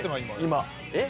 今えっ？